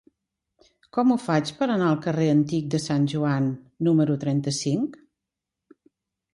Com ho faig per anar al carrer Antic de Sant Joan número trenta-cinc?